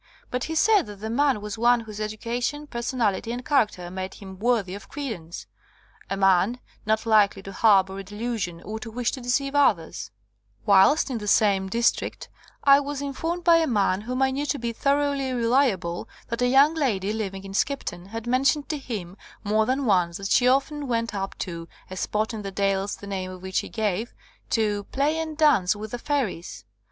But he said that the man was one whose education, person ality, and character made him worthy of credence — a man not likely to harbour a de lusion or to wish to deceive others. 74 RECEPTION OF THE FIRST PHOTOGRAPHS "Whilst in the same district I was in formed by a man whom I knew to be thor oughly reliable that a young lady living in Skipton had mentioned to him more than once that she often went up to (a spot in the dales the name of which he gave) to *play and dance with the fairies